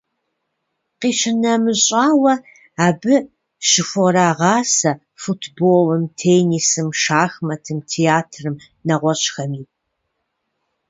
Къищынэмыщӏауэ, абы щыхурагъасэ футболым, теннисым, шахматым, театрым нэгъуэщӏхэми.